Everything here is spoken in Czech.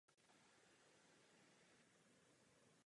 Staršímu Eduardovi se podařilo uniknout do Normandie.